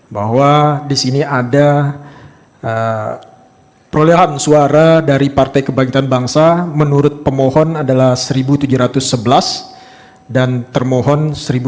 bahwa disini ada perolehan suara dari partai kebangkitan bangsa menurut pemohon adalah seribu tujuh ratus sebelas dan termohon seribu tujuh ratus sebelas